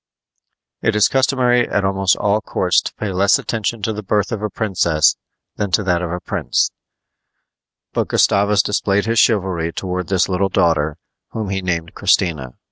It is customary at almost all courts to pay less attention to the birth of a princess than to that of a prince; but Gustavus displayed his chivalry toward this little daughter, whom he named Christina.